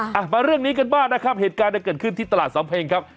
อ่ะมาเรื่องนี้กันบ้างนะครับเหตุการณ์เนี่ยเกิดขึ้นที่ตลาดสำเพ็งครับ